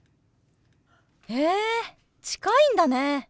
へえ近いんだね。